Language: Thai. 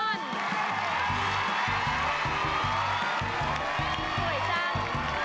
สวยจัง